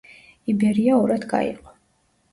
იბერია ორად გაიყო.